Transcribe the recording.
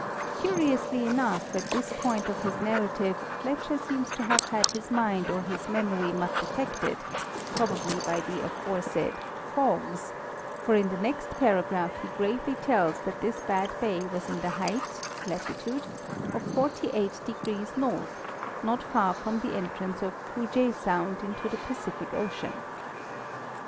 Curiously enough, at this point of his narrative Fletcher seems to have had his mind or his memory much affected, probably by the aforesaid " fogges," for in the next paragraph he gravely tells that this bad bay was in the height (latitude) of 48° north, not far from the entrance of Puget sound into the Pacific ocean.